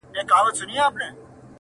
ښايي زما د مرگ لپاره څه خيال وهي_